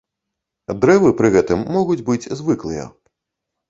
Дрэвы пры гэтым могуць быць звыклыя.